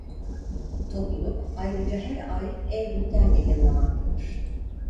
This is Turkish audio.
Topluluk ayrıca her ay e-bülten yayınlamaktadır.